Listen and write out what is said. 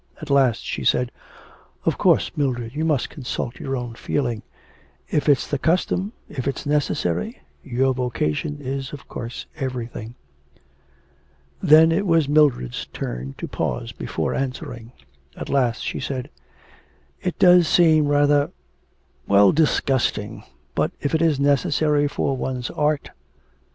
At last she said: 'Of course, Mildred, you must consult your own feeling; if it's the custom, if it's necessary Your vocation is of course everything.' Then it was Mildred's turn to pause before answering. At last she said: 'It does seem rather well, disgusting, but if it is necessary for one's art.